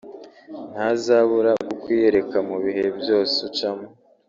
ntazabura kukwiyereka mu bihe byose ucamo